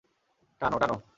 টানো, টানো।